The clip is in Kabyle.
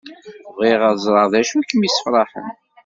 Bɣiɣ ad ẓreɣ d acu i kem-isefraḥen!